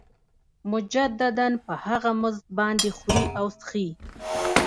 مجدداً په هغه مزد باندې خوري او څښي